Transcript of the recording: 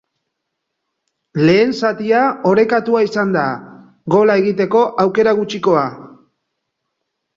Lehen zatia orekatua izan da, gola egiteko aukera gutxikoa.